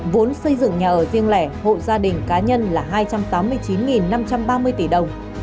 vốn xây dựng nhà ở riêng lẻ hộ gia đình cá nhân là hai trăm tám mươi chín năm trăm ba mươi tỷ đồng